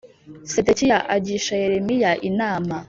Sedekiya agisha Yeremiya inama